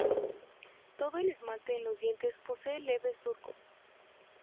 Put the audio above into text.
Todo el esmalte en los dientes posee leves surcos.